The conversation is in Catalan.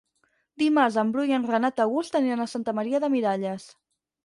Dimarts en Bru i en Renat August aniran a Santa Maria de Miralles.